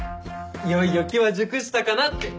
いよいよ機は熟したかなって。